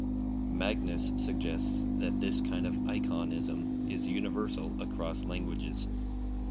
Magnus suggests that this kind of iconism is universal across languages.